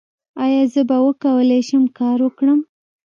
ایا زه به وکولی شم کار وکړم؟